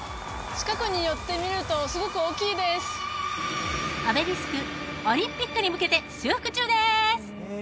近くに寄ってみるとすごく大きいですオベリスクオリンピックに向けて修復中です！